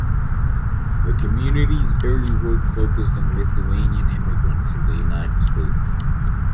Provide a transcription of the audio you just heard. The community's early work focused on Lithuanian immigrants in the United States.